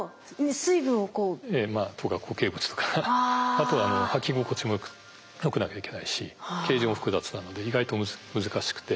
あとはき心地もよくなきゃいけないし形状も複雑なので意外と難しくて。